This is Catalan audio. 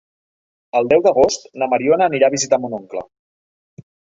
El deu d'agost na Mariona anirà a visitar mon oncle.